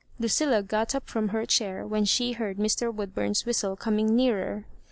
Lucilla got up from her chair when she heard Mr. Woodburn's whistle coming nearer.